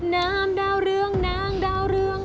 นามดาวเรืองนางดาวเรือง